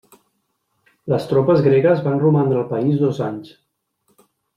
Les tropes gregues van romandre al país dos anys.